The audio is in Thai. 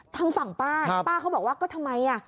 ทางฝั่งป้าป้าเขาบอกว่าก็ทำไม